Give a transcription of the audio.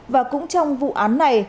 và cũng trong vụ án này